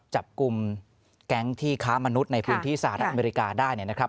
จับกลุ่มแก๊งที่ค้ามนุษย์ในพื้นที่สหรัฐอเมริกาได้เนี่ยนะครับ